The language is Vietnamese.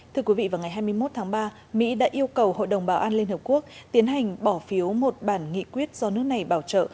thưa quý vị vào ngày hai mươi một tháng ba mỹ đã yêu cầu hội đồng bảo an liên hợp quốc tiến hành bỏ phiếu một bản nghị quyết do nước này bảo trợ